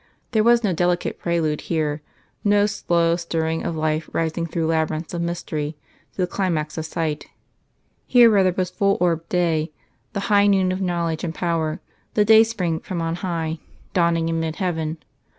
There was no delicate prelude here, no slow stirring of life rising through labyrinths of mystery to the climax of sight here rather was full orbed day, the high noon of knowledge and power, the dayspring from on high, dawning in mid heaven.